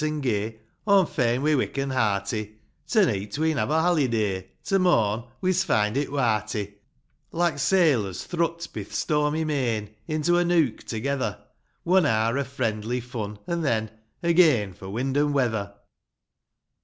Aw'm fain we're wick an' hearty ; To neet we'n have a haliday — To morn we's find it warty :' Like sailors, thrut^ bi th' stormy main Into a nook together, — One hour o' friendly, fun an' then, Again for wind and weather.